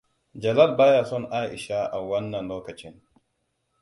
Jalal ba ya son Aisha a wannan lokacin.